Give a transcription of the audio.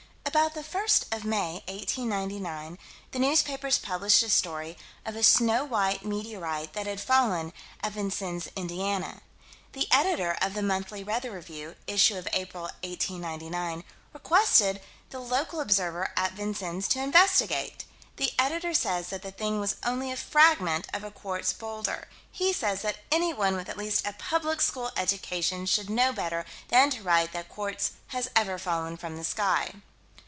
About the first of May, 1899, the newspapers published a story of a "snow white" meteorite that had fallen, at Vincennes, Indiana. The Editor of the Monthly Weather Review (issue of April, 1899) requested the local observer, at Vincennes, to investigate. The Editor says that the thing was only a fragment of a quartz boulder. He says that anyone with at least a public school education should know better than to write that quartz has ever fallen from the sky.